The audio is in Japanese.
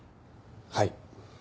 はい。